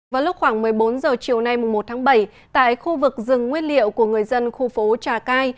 vào lúc khoảng một mươi bốn h chiều nay một tháng bảy tại khu vực rừng nguyên liệu của người dân khu phố trà cai